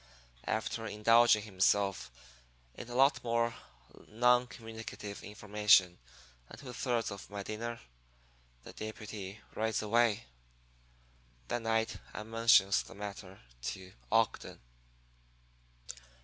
"After indulging himself in a lot more non communicative information and two thirds of my dinner, the deputy rides away. "That night I mentions the matter to Ogden.